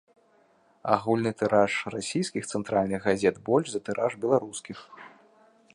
Агульны тыраж расійскіх цэнтральных газет большы за тыраж беларускіх.